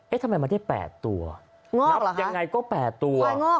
เอ๊ะทำไมมันได้แปดตัวนับยังไงก็แปดตัว